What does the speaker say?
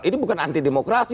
ini bukan anti demokrasi